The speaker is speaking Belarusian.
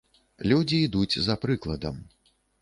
Людзі ідуць за прыкладам.